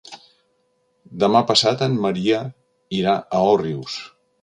Demà passat en Maria irà a Òrrius.